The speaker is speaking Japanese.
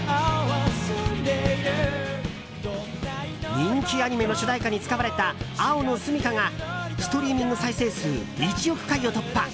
人気アニメの主題歌に使われた「青のすみか」がストリーミング再生数１億回を突破。